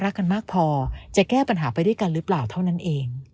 รักกันมากพอจะแก้ปัญหาไปด้วยกันหรือเปล่าเท่านั้นเอง